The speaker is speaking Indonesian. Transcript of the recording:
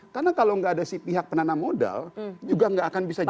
karena kalau nggak ada si pihak penanam modal juga nggak akan bisa jalan